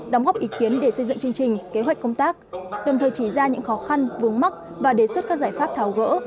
đóng góp ý kiến để xây dựng chương trình kế hoạch công tác đồng thời chỉ ra những khó khăn vướng mắt và đề xuất các giải pháp tháo gỡ